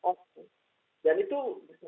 nah kalau kita makin lurus